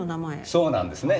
そうなんですね。